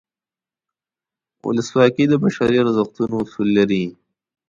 ولسواکي د بشري ارزښتونو اصول لري.